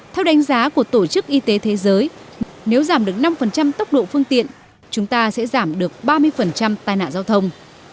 theo đánh giá của tổ chức y tế thế giới nếu giảm được năm tốc độ phương tiện chúng ta sẽ giảm được ba mươi tai nạn giao thông